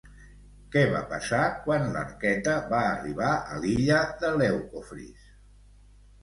Què va passar quan l'arqueta va arribar a l'illa de Lèucofris?